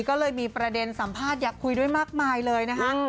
ก็เลยมีประเด็นสัมภาษณ์อยากคุยด้วยมากมายเลยนะคะ